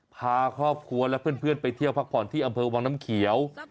พาครอบครัวและเพื่อนไปเที่ยวพักผ่อนที่อำเภอวังน้ำเขียว